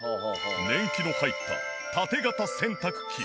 年季の入った縦型洗濯機。